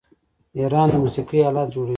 ایران د موسیقۍ الات جوړوي.